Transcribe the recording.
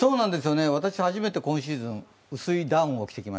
私、初めて今シーズン、薄いダウンを着てきじ